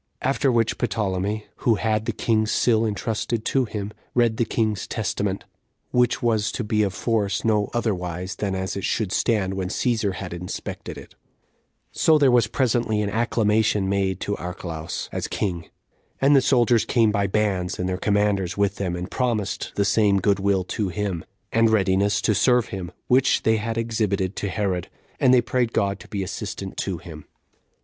After which Ptolemy, who had the king's seal intrusted to him, read the king's testament, which was to be of force no otherwise than as it should stand when Cæsar had inspected it; so there was presently an acclamation made to Archelaus, as king; and the soldiers came by bands, and their commanders with them, and promised the same good will to him, and readiness to serve him, which they had exhibited to Herod; and they prayed God to be assistant to him.